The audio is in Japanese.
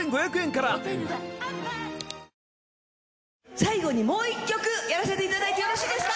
最後にもう一曲やらせていただいてよろしいですか？